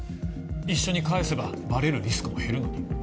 一緒に返せばバレるリスクも減るのに。